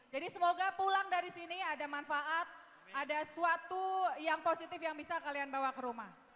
jadi semoga pulang dari sini ada manfaat ada suatu yang positif yang bisa kalian bawa ke rumah